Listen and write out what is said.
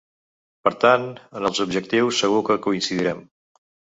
Per tant, en els objectius segur que coincidirem.